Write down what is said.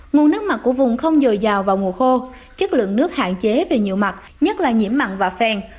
nguồn nước mặt của vùng không dồi dào vào mùa khô chất lượng nước hạn chế về nhiều mặt nhất là nhiễm mặn và phèn